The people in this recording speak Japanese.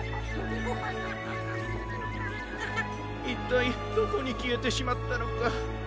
いったいどこにきえてしまったのか。